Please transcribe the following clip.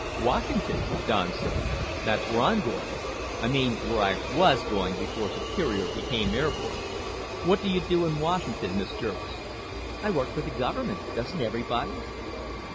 "Washington?" Don said. "That's where I'm going. I mean where I was going before Superior became airborne. What do you do in Washington, Miss Jervis?" "I work for the Government. Doesn't everybody?"